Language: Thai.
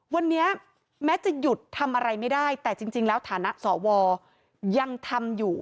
วันนี้แม้จะหยุดทำอะไรไม่ได้แต่จริงแล้วฐานะสวยังทำอยู่